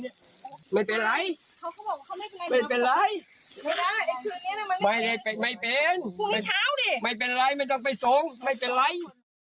ไม่เป็นไม่เป็นอะไรมันต้องไปส่งไม่เป็นไร